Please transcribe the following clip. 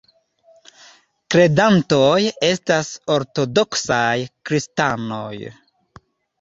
Kredantoj estas ortodoksaj kristanoj.